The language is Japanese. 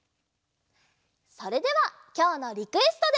それではきょうのリクエストで。